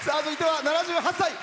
続いては７８歳。